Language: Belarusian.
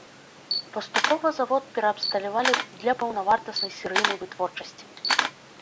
Паступова завод пераабсталявалі для паўнавартаснай серыйнай вытворчасці.